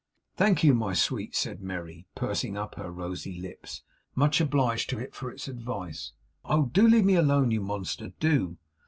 'Thank you, my sweet,' said Merry, pursing up her rosy Lips. 'Much obliged to it for its advice. Oh! do leave me alone, you monster, do!